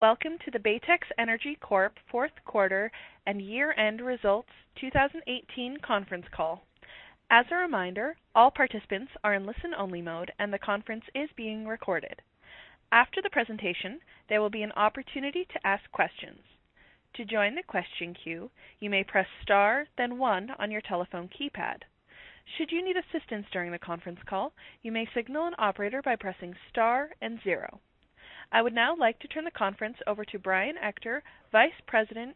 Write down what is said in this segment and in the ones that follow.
Welcome to the Baytex Energy Corp. Fourth Quarter and Year-End Results 2018 Conference Call. As a reminder, all participants are in listen-only mode, and the conference is being recorded. After the presentation, there will be an opportunity to ask questions. To join the question queue, you may press star then one on your telephone keypad. Should you need assistance during the conference call, you may signal an operator by pressing star and zero. I would now like to turn the conference over to Brian Ector, Vice President,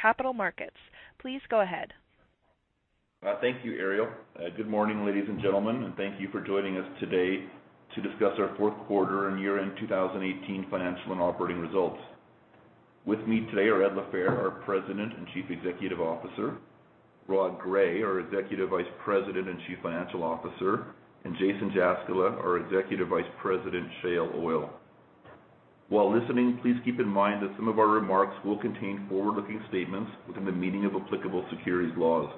Capital Markets. Please go ahead. Thank you, Ariel. Good morning, ladies and gentlemen, and thank you for joining us today to discuss our fourth quarter and year-end 2018 financial and operating results. With me today are Ed LaFehr, our President and Chief Executive Officer, Rod Gray, our Executive Vice President and Chief Financial Officer, and Jason Jaskela, our Executive Vice President, Shale Oil. While listening, please keep in mind that some of our remarks will contain forward-looking statements within the meaning of applicable securities laws.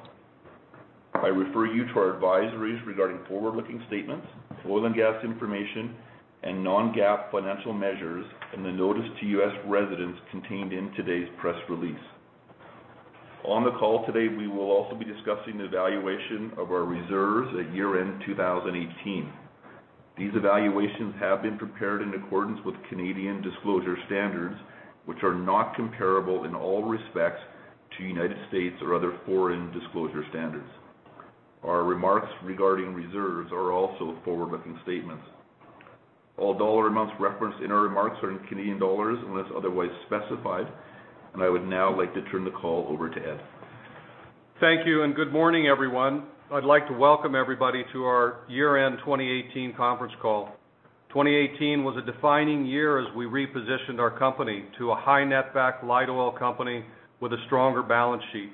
I refer you to our advisories regarding forward-looking statements, oil and gas information, and non-GAAP financial measures, and the notice to U.S. residents contained in today's press release. On the call today, we will also be discussing the evaluation of our reserves at year-end 2018. These evaluations have been prepared in accordance with Canadian disclosure standards, which are not comparable in all respects to United States or other foreign disclosure standards. Our remarks regarding reserves are also forward-looking statements. All dollar amounts referenced in our remarks are in Canadian dollars unless otherwise specified, and I would now like to turn the call over to Ed. Thank you, and good morning, everyone. I'd like to welcome everybody to our year-end 2018 conference call. 2018 was a defining year as we repositioned our company to a high netback light oil company with a stronger balance sheet.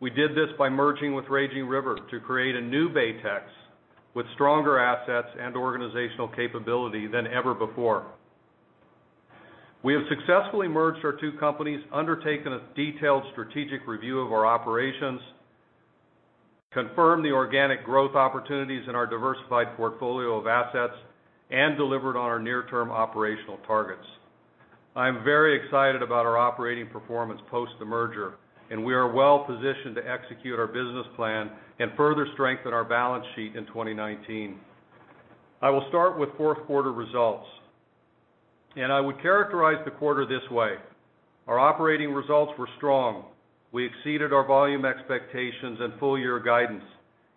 We did this by merging with Raging River to create a new Baytex with stronger assets and organizational capability than ever before. We have successfully merged our two companies, undertaken a detailed strategic review of our operations, confirmed the organic growth opportunities in our diversified portfolio of assets, and delivered on our near-term operational targets. I'm very excited about our operating performance post the merger, and we are well-positioned to execute our business plan and further strengthen our balance sheet in 2019. I will start with fourth quarter results, and I would characterize the quarter this way: Our operating results were strong. We exceeded our volume expectations and full-year guidance,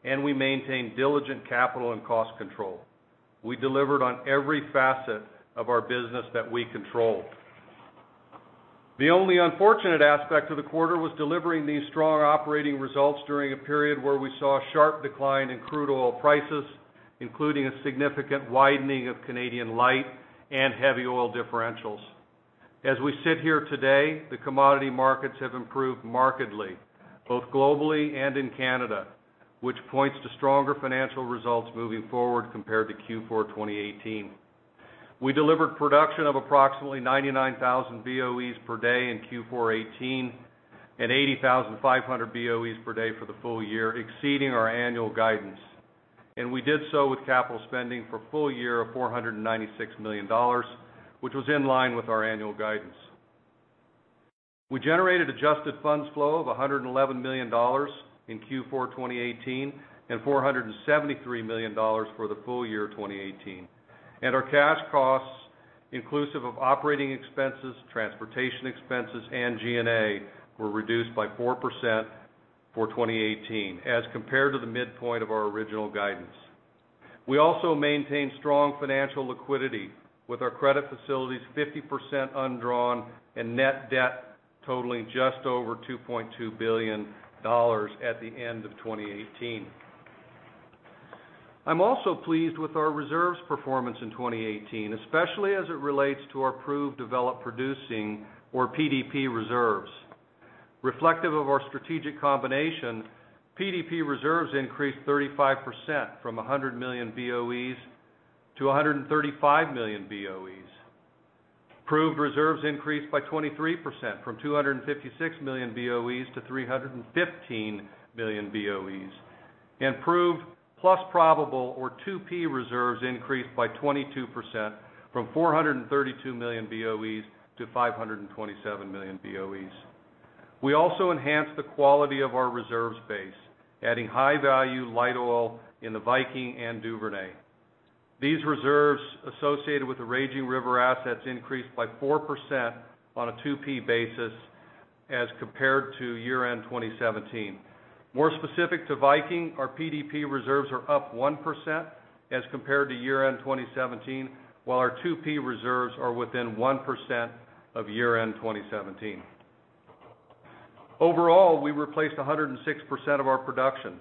and we maintained diligent capital and cost control. We delivered on every facet of our business that we control. The only unfortunate aspect of the quarter was delivering these strong operating results during a period where we saw a sharp decline in crude oil prices, including a significant widening of Canadian light and heavy oil differentials. As we sit here today, the commodity markets have improved markedly, both globally and in Canada, which points to stronger financial results moving forward compared to Q4 2018. We delivered production of approximately 99,000 BOEs per day in Q4 2018 and 80,500 BOEs per day for the full year, exceeding our annual guidance, and we did so with capital spending for full year of $496 million, which was in line with our annual guidance. We generated adjusted funds flow of $111 million in Q4 2018, and $473 million for the full year 2018. Our cash costs, inclusive of operating expenses, transportation expenses, and G&A, were reduced by 4% for 2018 as compared to the midpoint of our original guidance. We also maintained strong financial liquidity with our credit facilities 50% undrawn and net debt totaling just over $2.2 billion at the end of 2018. I'm also pleased with our reserves performance in 2018, especially as it relates to our proved developed producing or PDP reserves. Reflective of our strategic combination, PDP reserves increased 35% from 100 million BOEs to 135 million BOEs. Proved reserves increased by 23% from 256 million BOEs to 315 million BOEs, and proved plus probable or 2P reserves increased by 22% from 432 million BOEs to 527 million BOEs. We also enhanced the quality of our reserves base, adding high-value light oil in the Viking and Duvernay. These reserves associated with the Raging River assets increased by 4% on a 2P basis as compared to year-end 2017. More specific to Viking, our PDP reserves are up 1% as compared to year-end 2017, while our 2P reserves are within 1% of year-end 2017. Overall, we replaced 106% of our production,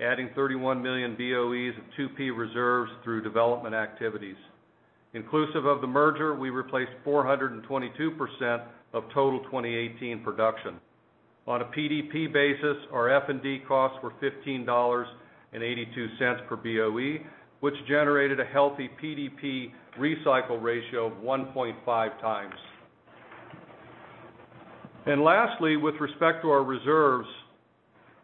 adding 31 million BOEs of 2P reserves through development activities. Inclusive of the merger, we replaced 422% of total 2018 production. On a PDP basis, our F&D costs were $15.82 per BOE, which generated a healthy PDP recycle ratio of 1.5x. And lastly, with respect to our reserves,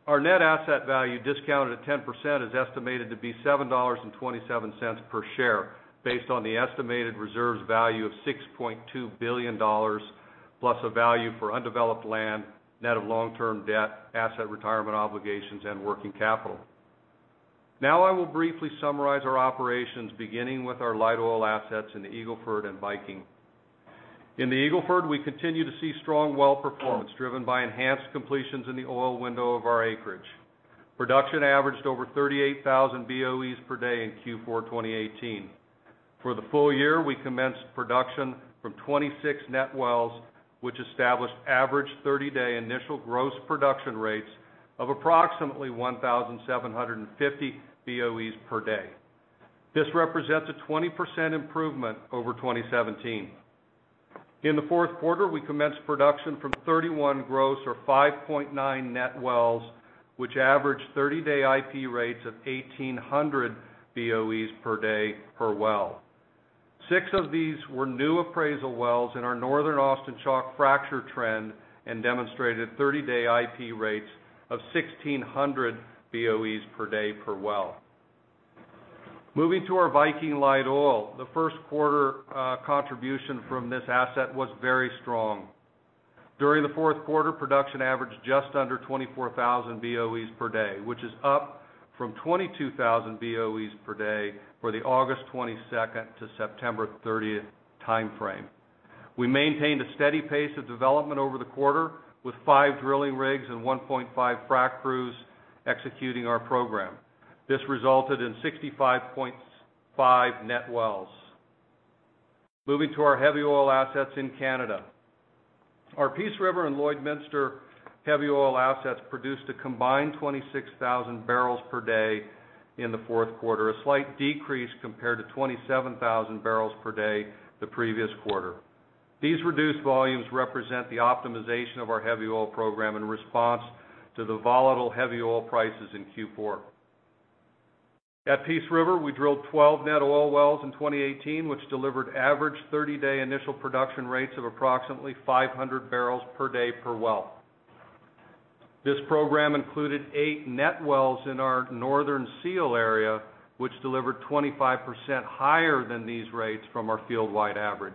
our net asset value discounted at 10% is estimated to be $7.27 per share based on the estimated reserves value of $6.2 billion, plus a value for undeveloped land, net of long-term debt, asset retirement obligations, and working capital. Now I will briefly summarize our operations, beginning with our light oil assets in the Eagle Ford and Viking. In the Eagle Ford, we continue to see strong well performance, driven by enhanced completions in the oil window of our acreage. Production averaged over 38,000 BOEs per day in Q4 2018. For the full year, we commenced production from 26 net wells, which established average 30-day initial gross production rates of approximately 1,750 BOEs per day. This represents a 20% improvement over 2017. In the fourth quarter, we commenced production from 31 gross or 5.9 net wells, which averaged 30-day IP rates of 1,800 BOEs per day per well. Six of these were new appraisal wells in our Northern Austin Chalk fracture trend and demonstrated 30-day IP rates of 1,600 BOEs per day per well. Moving to our Viking light oil, the first quarter contribution from this asset was very strong. During the fourth quarter, production averaged just under 24,000 BOEs per day, which is up from 22,000 BOEs per day for the August twenty-second to September thirtieth timeframe. We maintained a steady pace of development over the quarter, with five drilling rigs and 1.5 frack crews executing our program. This resulted in 65.5 net wells. Moving to our heavy oil assets in Canada. Our Peace River and Lloydminster heavy oil assets produced a combined 26,000 bbl per day in the fourth quarter, a slight decrease compared to 27,000 bbl per day the previous quarter. These reduced volumes represent the optimization of our heavy oil program in response to the volatile heavy oil prices in Q4. At Peace River, we drilled 12 net oil wells in 2018, which delivered average 30-day initial production rates of approximately 500 barrels per day per well. This program included eight net wells in our Northern Seal area, which delivered 25% higher than these rates from our field-wide average.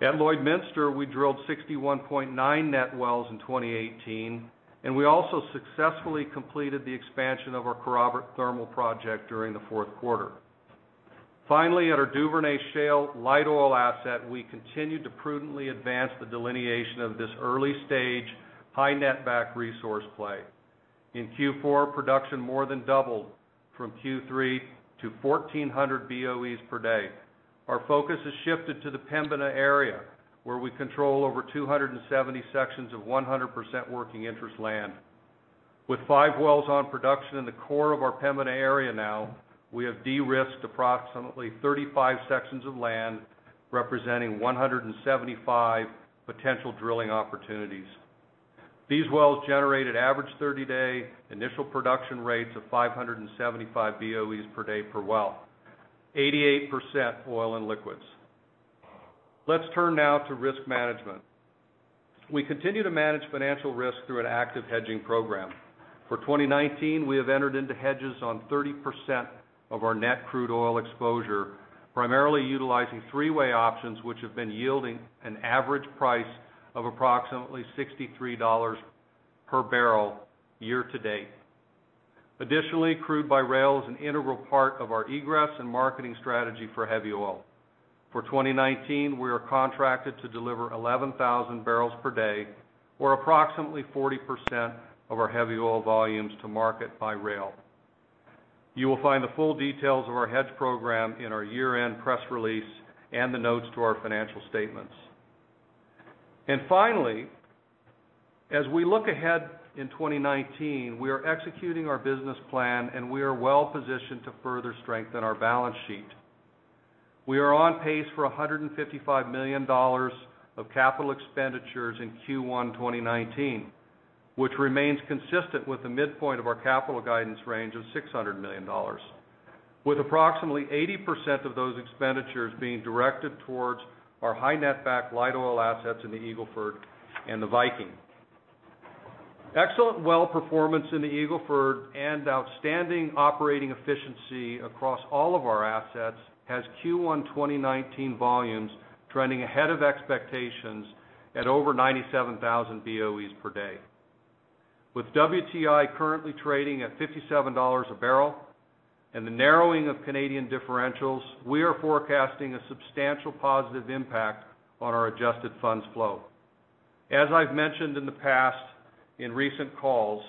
At Lloydminster, we drilled 61.9 net wells in 2018, and we also successfully completed the expansion of our Kerrobert thermal project during the fourth quarter. Finally, at our Duvernay Shale light oil asset, we continued to prudently advance the delineation of this early-stage, high net back resource play. In Q4, production more than doubled from Q3 to 1,400 BOEs per day. Our focus has shifted to the Pembina area, where we control over 270 sections of 100% working interest land. With five wells on production in the core of our Pembina area now, we have de-risked approximately 35 sections of land, representing 175 potential drilling opportunities. These wells generated average 30-day initial production rates of 575 BOEs per day per well, 88% oil and liquids. Let's turn now to risk management. We continue to manage financial risk through an active hedging program. For 2019, we have entered into hedges on 30% of our net crude oil exposure, primarily utilizing three-way options, which have been yielding an average price of approximately $63 per barrel year to date. Additionally, crude by rail is an integral part of our egress and marketing strategy for heavy oil. For 2019, we are contracted to deliver 11,000 bbl per day, or approximately 40% of our heavy oil volumes to market by rail. You will find the full details of our hedge program in our year-end press release and the notes to our financial statements. And finally, as we look ahead in 2019, we are executing our business plan, and we are well positioned to further strengthen our balance sheet. We are on pace for 155 million dollars of capital expenditures in Q1 2019, which remains consistent with the midpoint of our capital guidance range of 600 million dollars, with approximately 80% of those expenditures being directed towards our high net back light oil assets in the Eagle Ford and the Viking. Excellent well performance in the Eagle Ford and outstanding operating efficiency across all of our assets has Q1 2019 volumes trending ahead of expectations at over 97,000 BOE per day. With WTI currently trading at $57 a bbl and the narrowing of Canadian differentials, we are forecasting a substantial positive impact on our adjusted funds flow. As I've mentioned in the past, in recent calls,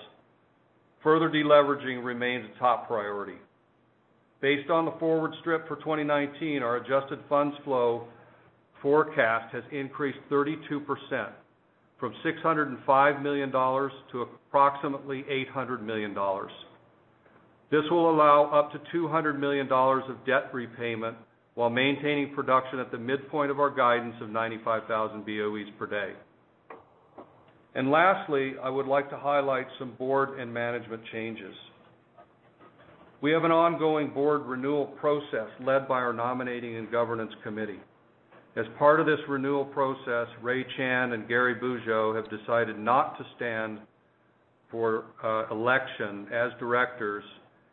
further deleveraging remains a top priority. Based on the forward strip for 2019, our adjusted funds flow forecast has increased 32%, from $605 million to approximately $800 million. This will allow up to $200 million of debt repayment while maintaining production at the midpoint of our guidance of 95,000 BOEs per day. And lastly, I would like to highlight some board and management changes. We have an ongoing board renewal process led by our Nominating and Governance Committee. As part of this renewal process, Ray Chan and Gary Bugeaud have decided not to stand for election as directors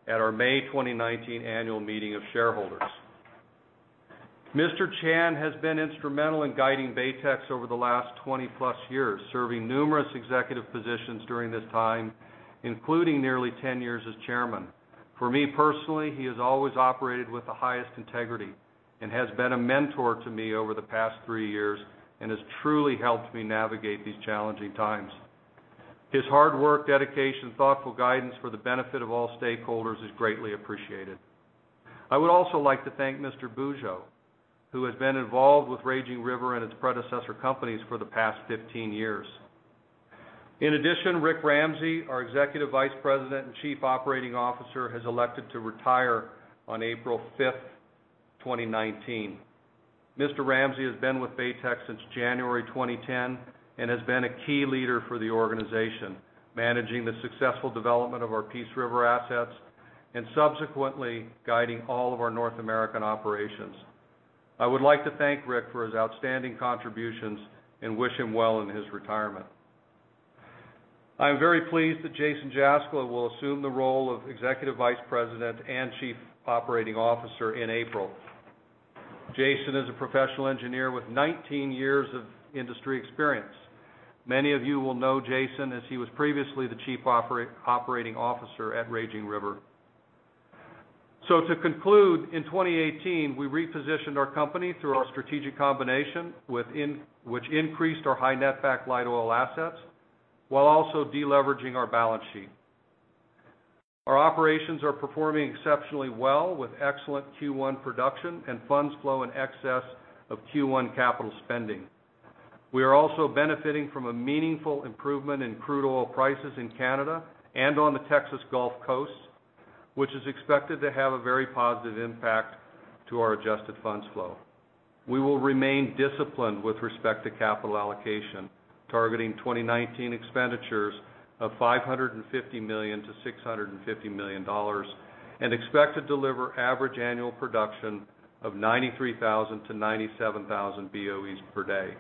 at our May 2019 annual meeting of shareholders. Mr. Chan has been instrumental in guiding Baytex over the last 20+ years, serving numerous executive positions during this time, including nearly 10 years as Chairman. For me, personally, he has always operated with the highest integrity and has been a mentor to me over the past three years and has truly helped me navigate these challenging times. His hard work, dedication, thoughtful guidance for the benefit of all stakeholders is greatly appreciated. I would also like to thank Mr. Bugeaud, who has been involved with Raging River and its predecessor companies for the past 15 years. In addition, Rick Ramsey, our Executive Vice President and Chief Operating Officer, has elected to retire on April 5th, 2019. Mr. Ramsey has been with Baytex since January 2010 and has been a key leader for the organization, managing the successful development of our Peace River assets and subsequently guiding all of our North American operations. I would like to thank Rick for his outstanding contributions and wish him well in his retirement. I'm very pleased that Jason Jaskela will assume the role of Executive Vice President and Chief Operating Officer in April. Jason is a professional engineer with 19 years of industry experience. Many of you will know Jason, as he was previously the Chief Operating Officer at Raging River. So to conclude, in 2018, we repositioned our company through our strategic combination, which increased our high netback light oil assets, while also deleveraging our balance sheet. Our operations are performing exceptionally well, with excellent Q1 production and funds flow in excess of Q1 capital spending. We are also benefiting from a meaningful improvement in crude oil prices in Canada and on the Texas Gulf Coast, which is expected to have a very positive impact to our adjusted funds flow. We will remain disciplined with respect to capital allocation, targeting 2019 expenditures of $550 million-$650 million, and expect to deliver average annual production of 93,000-97,000 BOE per day.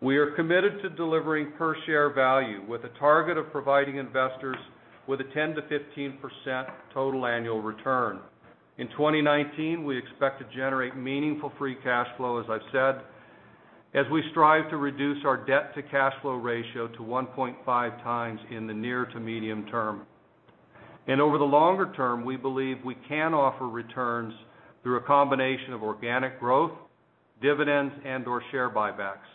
We are committed to delivering per share value with a target of providing investors with a 10%-15% total annual return. In 2019, we expect to generate meaningful free cash flow, as I've said, as we strive to reduce our debt to cash flow ratio to 1.5x in the near to medium term. And over the longer term, we believe we can offer returns through a combination of organic growth, dividends, and/or share buybacks.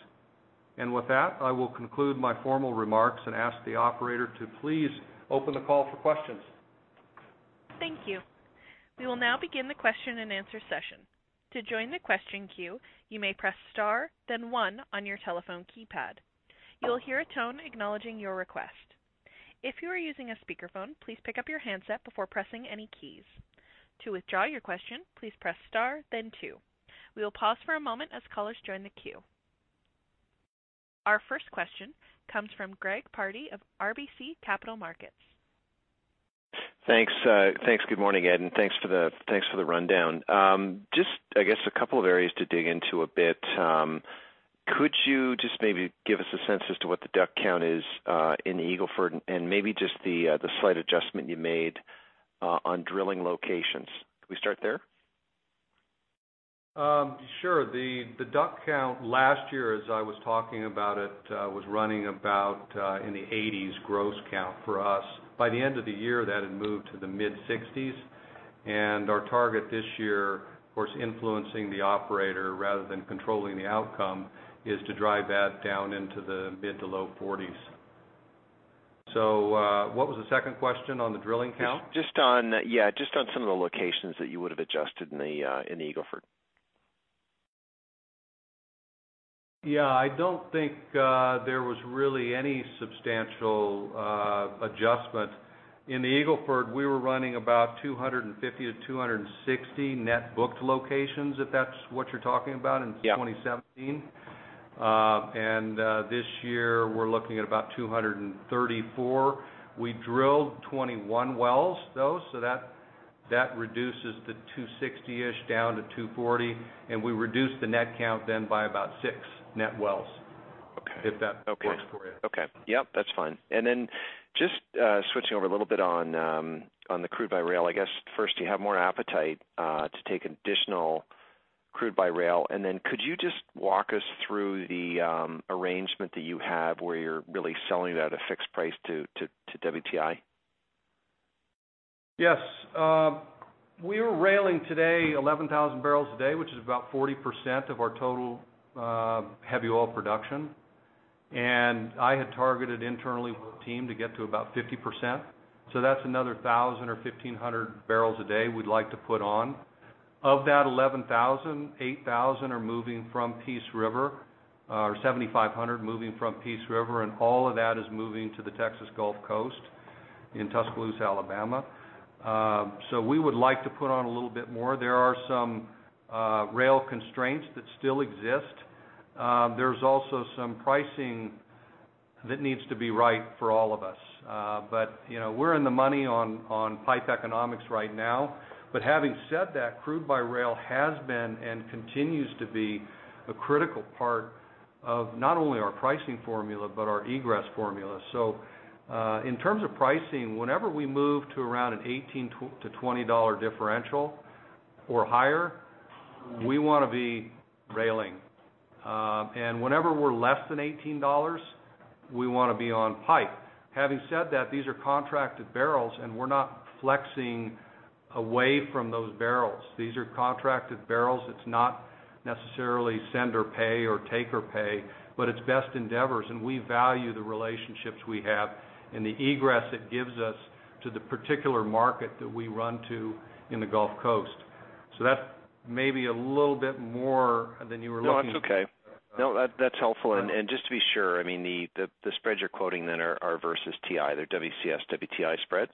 And with that, I will conclude my formal remarks and ask the operator to please open the call for questions. Thank you. We will now begin the question-and-answer session. To join the question queue, you may press star, then one on your telephone keypad. You will hear a tone acknowledging your request. If you are using a speakerphone, please pick up your handset before pressing any keys. To withdraw your question, please press star then two. We will pause for a moment as callers join the queue. Our first question comes from Greg Pardy of RBC Capital Markets. Thanks, thanks. Good morning, Ed, and thanks for the, thanks for the rundown. Just, I guess, a couple of areas to dig into a bit. Could you just maybe give us a sense as to what the DUC count is, in the Eagle Ford, and maybe just the, the slight adjustment you made, on drilling locations? Can we start there? Sure. The DUC count last year, as I was talking about it, was running about in the eighties, gross count for us. By the end of the year, that had moved to the mid-60s, and our target this year, of course, influencing the operator rather than controlling the outcome, is to drive that down into the mid to low forties. So, what was the second question on the drilling count? Just on, yeah, just on some of the locations that you would have adjusted in the Eagle Ford. Yeah, I don't think there was really any substantial adjustment. In the Eagle Ford, we were running about 250 to 260 net booked locations, if that's what you're talking about, in- Yeah... 2017. And this year, we're looking at about 234. We drilled 21 wells, though, so that reduces the 260-ish down to 240, and we reduced the net count then by about six net wells- Okay... if that works for you. Okay. Yep, that's fine. And then just switching over a little bit on the crude by rail. I guess first, you have more appetite to take additional crude by rail. And then could you just walk us through the arrangement that you have, where you're really selling it at a fixed price to WTI? Yes. We were railing today 11,000 bbl a day, which is about 40% of our total heavy oil production. And I had targeted internally with our team to get to about 50%, so that's another 1,000 or 1,500 bbl a day we'd like to put on. Of that 11,000, 8,000 are moving from Peace River, or 7,500 moving from Peace River, and all of that is moving to the Texas Gulf Coast in Tuscaloosa, Alabama. So we would like to put on a little bit more. There are some rail constraints that still exist. There's also some pricing that needs to be right for all of us. But, you know, we're in the money on pipe economics right now. But having said that, crude by rail has been and continues to be a critical part of not only our pricing formula, but our egress formula. So, in terms of pricing, whenever we move to around an $18-$20 differential or higher, we wanna be railing. And whenever we're less than $18, we wanna be on pipe. Having said that, these are contracted barrels, and we're not flexing away from those barrels. These are contracted barrels. It's not necessarily send or pay, or take or pay, but it's best endeavors, and we value the relationships we have and the egress it gives us to the particular market that we run to in the Gulf Coast. So that may be a little bit more than you were looking for. No, it's okay. No, that's helpful. Uh- Just to be sure, I mean, the spreads you're quoting then are versus WTI. They're WCS, WTI spreads?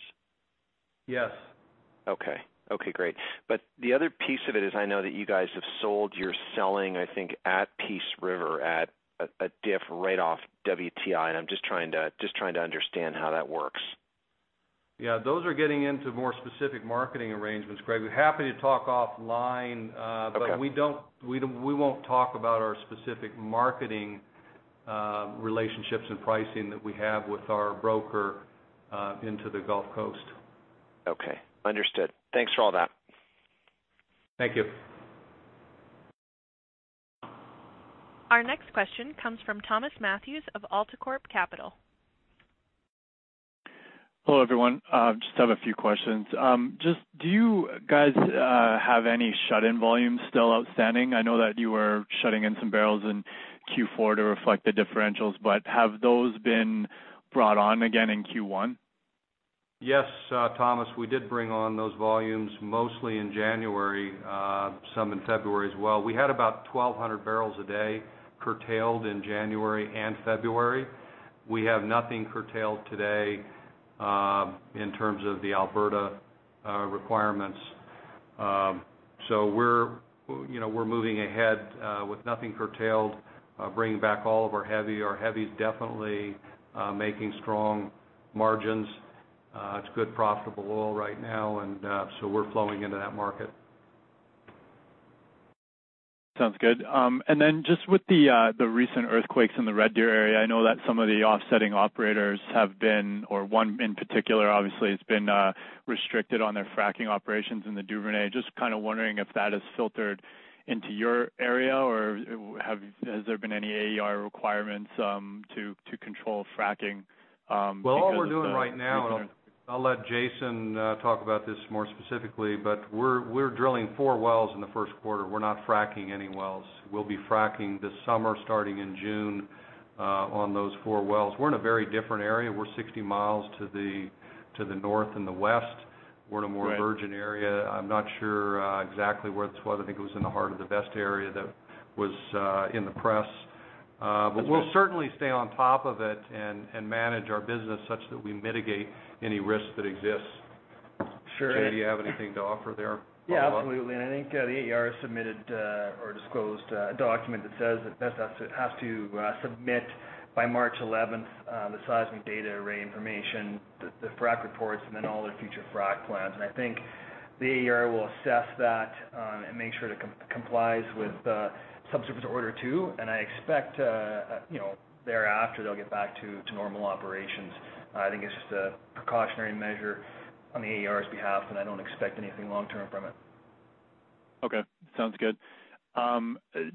Yes. Okay. Okay, great. But the other piece of it is I know that you guys have sold—you're selling, I think, at Peace River at a, a diff right off WTI, and I'm just trying to, just trying to understand how that works. Yeah, those are getting into more specific marketing arrangements, Greg. We're happy to talk offline. Okay. But we don't, we won't talk about our specific marketing relationships and pricing that we have with our broker into the Gulf Coast. Okay, understood. Thanks for all that. Thank you. Our next question comes from Thomas Matthews of AltaCorp Capital. Hello, everyone. Just have a few questions. Just do you guys have any shut-in volumes still outstanding? I know that you were shutting in some barrels in Q4 to reflect the differentials, but have those been brought on again in Q1? Yes, Thomas, we did bring on those volumes, mostly in January, some in February as well. We had about twelve hundred barrels a day curtailed in January and February. We have nothing curtailed today, in terms of the Alberta requirements. So we're, you know, we're moving ahead, with nothing curtailed, bringing back all of our heavy. Our heavy is definitely making strong margins. It's good profitable oil right now, and so we're flowing into that market. Sounds good. And then just with the recent earthquakes in the Red Deer area, I know that some of the offsetting operators have been, or one in particular, obviously, has been restricted on their fracking operations in the Duvernay. Just kind of wondering if that has filtered into your area, or has there been any AER requirements to control fracking because of the- All we're doing right now, and I'll let Jason talk about this more specifically, but we're drilling four wells in the first quarter. We're not fracking any wells. We'll be fracking this summer, starting in June, on those four wells. We're in a very different area. We're 60 mi to the north and the west. Right. We're in a more virgin area. I'm not sure exactly where this was. I think it was in the heart of the best area that was in the press. Okay. But we'll certainly stay on top of it and manage our business such that we mitigate any risks that exist. Sure. Jay, do you have anything to offer there? Yeah, absolutely. And I think, the AER submitted, or disclosed, a document that says that Vesta has to, submit by March 11th, the seismic data array information, the frack reports, and then all their future frack plans. And I think the AER will assess that, and make sure it complies with, Subsurface Order Two, and I expect, you know, thereafter, they'll get back to normal operations. I think it's just a precautionary measure on the AER's behalf, and I don't expect anything long term from it. Okay. Sounds good.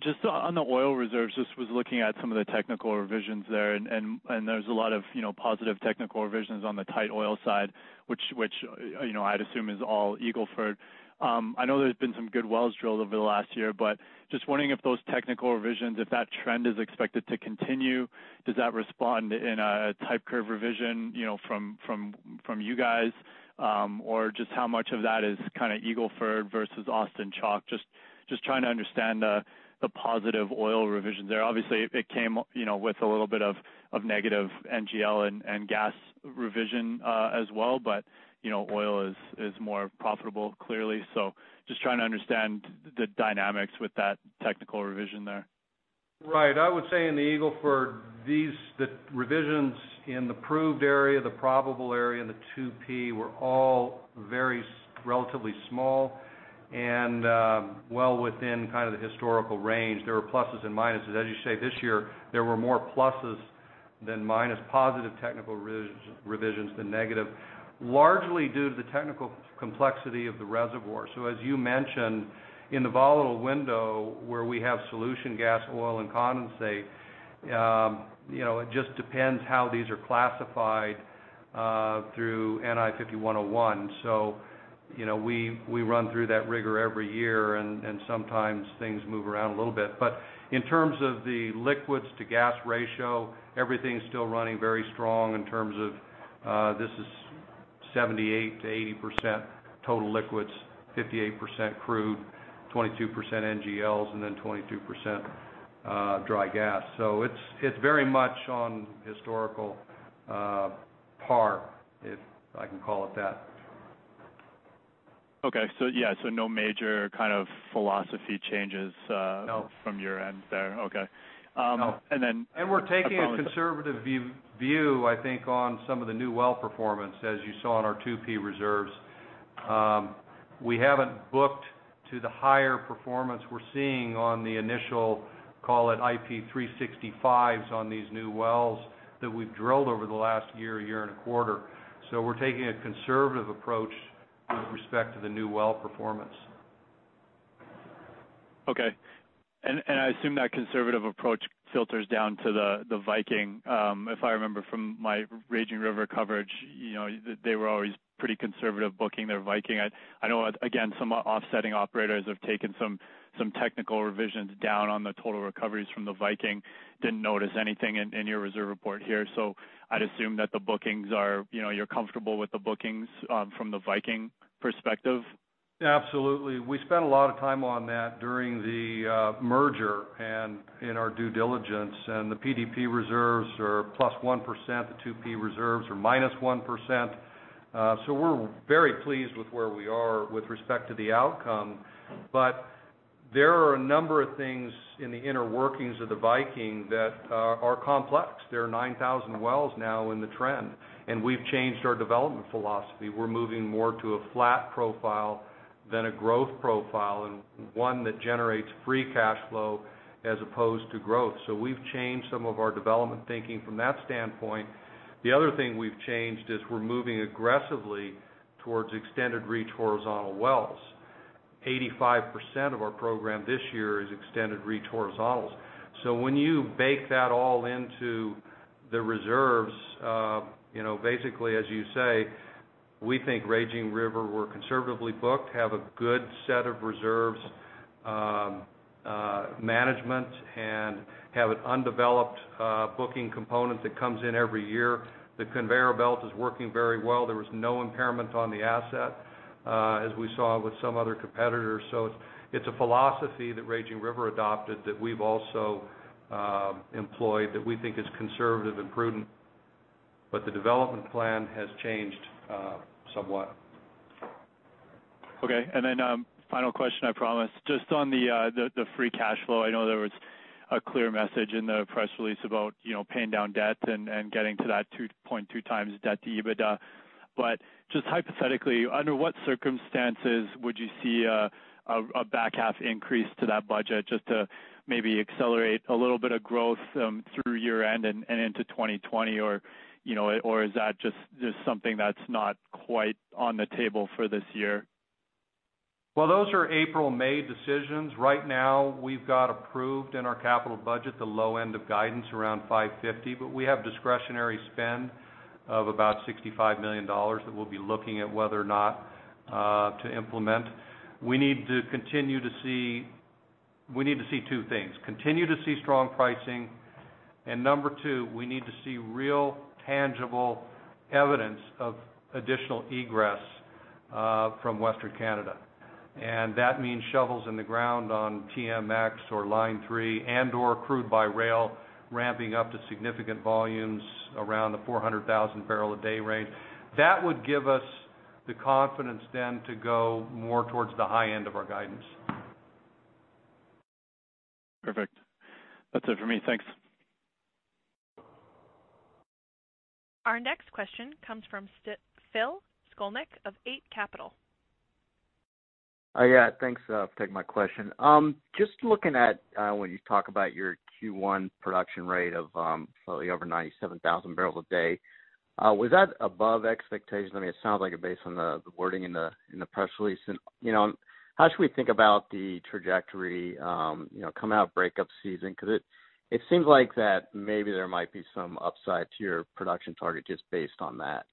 Just on the oil reserves, just was looking at some of the technical revisions there, and there's a lot of, you know, positive technical revisions on the tight oil side, which, you know, I'd assume is all Eagle Ford. I know there's been some good wells drilled over the last year, but just wondering if those technical revisions, if that trend is expected to continue, does that respond in a type curve revision, you know, from you guys? Or just how much of that is kind of Eagle Ford versus Austin Chalk? Just trying to understand the positive oil revisions there. Obviously, it came, you know, with a little bit of negative NGL and gas revision as well, but you know, oil is more profitable, clearly. So, just trying to understand the dynamics with that technical revision there. Right. I would say in the Eagle Ford, the revisions in the proved area, the probable area, and the 2P were all very relatively small and, well within kind of the historical range. There were pluses and minuses. As you say, this year, there were more pluses than minus, positive technical revisions than negative, largely due to the technical complexity of the reservoir. So as you mentioned, in the volatile window, where we have solution gas, oil, and condensate, you know, it just depends how these are classified through NI 51-101. So, you know, we run through that rigor every year, and sometimes things move around a little bit. But in terms of the liquids to gas ratio, everything is still running very strong in terms of, this is 78%-80% total liquids, 58% crude, 22% NGLs, and then 22% condensate... dry gas. So it's very much on historical par, if I can call it that. Okay. So yeah, so no major kind of philosophy changes. No. -from your end there? Okay. and then- We're taking a conservative view, I think, on some of the new well performance, as you saw in our 2P reserves. We haven't booked to the higher performance we're seeing on the initial, call it IP 365s on these new wells that we've drilled over the last year and a quarter. So we're taking a conservative approach with respect to the new well performance. Okay. And I assume that conservative approach filters down to the Viking. If I remember from my Raging River coverage, you know, they were always pretty conservative booking their Viking. I know, again, some offsetting operators have taken some technical revisions down on the total recoveries from the Viking. Didn't notice anything in your reserve report here, so I'd assume that the bookings are, you know, you're comfortable with the bookings from the Viking perspective. Absolutely. We spent a lot of time on that during the merger and in our due diligence, and the PDP reserves are +1%, the 2P reserves are -1%. So we're very pleased with where we are with respect to the outcome. But there are a number of things in the inner workings of the Viking that are complex. There are 9,000 wells now in the trend, and we've changed our development philosophy. We're moving more to a flat profile than a growth profile, and one that generates free cash flow as opposed to growth. So we've changed some of our development thinking from that standpoint. The other thing we've changed is we're moving aggressively towards extended reach horizontal wells. 85% of our program this year is extended reach horizontals. So when you bake that all into the reserves, you know, basically, as you say, we think Raging River were conservatively booked, have a good set of reserves, management, and have an undeveloped booking component that comes in every year. The conveyor belt is working very well. There was no impairment on the asset, as we saw with some other competitors. So it's a philosophy that Raging River adopted, that we've also employed, that we think is conservative and prudent. But the development plan has changed somewhat. Okay, and then, final question, I promise. Just on the free cash flow. I know there was a clear message in the press release about, you know, paying down debt and getting to that 2.2x debt-to-EBITDA. But just hypothetically, under what circumstances would you see a back half increase to that budget, just to maybe accelerate a little bit of growth through year-end and into 2020? Or, you know, or is that just something that's not quite on the table for this year? Those are April, May decisions. Right now, we've got approved in our capital budget, the low end of guidance around $550 million, but we have discretionary spend of about $65 million that we'll be looking at whether or not to implement. We need to continue to see... We need to see two things: continue to see strong pricing, and number two, we need to see real, tangible evidence of additional egress from Western Canada. And that means shovels in the ground on TMX or Line 3 and/or crude by rail, ramping up to significant volumes around the 400,000 bbl a day range. That would give us the confidence then to go more towards the high end of our guidance. Perfect. That's it for me. Thanks. Our next question comes from Phil Skolnick of Eight Capital. Yeah, thanks for taking my question. Just looking at when you talk about your Q1 production rate of slightly over 97,000 bbl a day, was that above expectation? I mean, it sounds like it, based on the wording in the press release. You know, how should we think about the trajectory, you know, coming out of breakup season? 'Cause it seems like that maybe there might be some upside to your production target just based on that.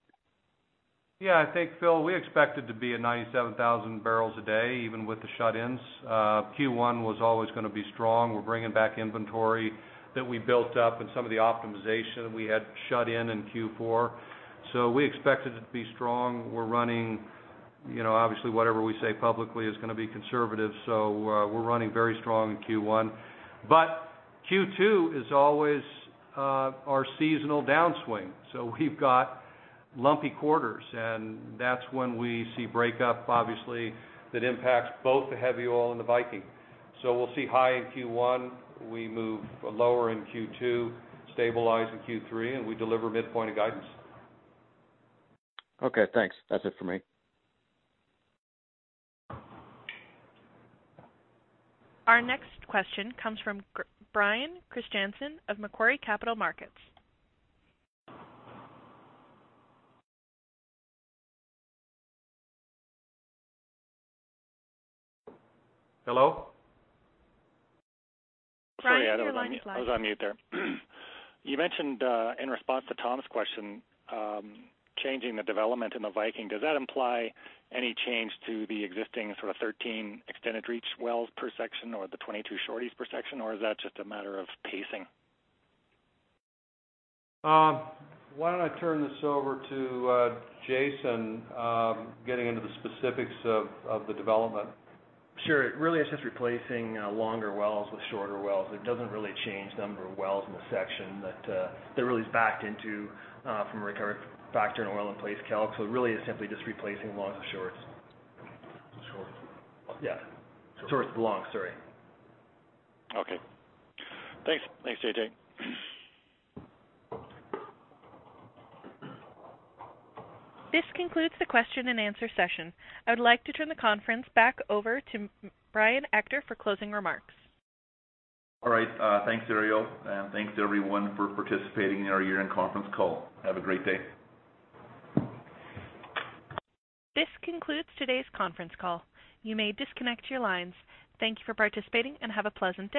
Yeah, I think, Phil, we expected to be at 97,000 bbl a day, even with the shut-ins. Q1 was always gonna be strong. We're bringing back inventory that we built up and some of the optimization we had shut in, in Q4. So we expected it to be strong. We're running, you know, obviously whatever we say publicly is gonna be conservative, so, we're running very strong in Q1. But Q2 is always, our seasonal downswing. So we've got lumpy quarters, and that's when we see breakup, obviously, that impacts both the heavy oil and the Viking. So we'll see high in Q1, we move lower in Q2, stabilize in Q3, and we deliver midpoint of guidance. Okay, thanks. That's it for me. Our next question comes from Brian Kristjansen of Macquarie Capital Markets. Hello? Sorry, I was on mute. I was on mute there. You mentioned, in response to Tom's question, changing the development in the Viking. Does that imply any change to the existing sort of thirteen extended reach wells per section or the 22 shorties per section, or is that just a matter of pacing? Why don't I turn this over to Jason, getting into the specifics of the development? Sure. It really is just replacing longer wells with shorter wells. It doesn't really change the number of wells in the section, but that really is backed into from a return factor and oil in place calc. So it really is simply just replacing longs with shorts. Shorts. Yeah. Shorts with longs, sorry. Okay. Thanks. Thanks, JJ. This concludes the question-and-answer session. I would like to turn the conference back over to Brian Ector for closing remarks. All right. Thanks, Ariel, and thanks to everyone for participating in our year-end conference call. Have a great day. This concludes today's conference call. You may disconnect your lines. Thank you for participating, and have a pleasant day.